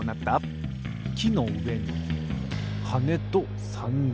きのうえにはねとサンダル。